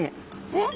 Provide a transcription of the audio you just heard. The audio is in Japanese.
えっ！？